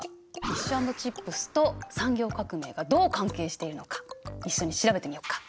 フィッシュ＆チップスと産業革命がどう関係しているのか一緒に調べてみようか。